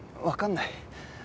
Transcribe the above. わかんない。